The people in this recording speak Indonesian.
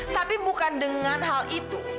tapi bukan dengan hal itu